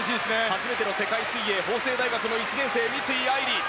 初めての世界水泳法政大学１年生の三井愛梨。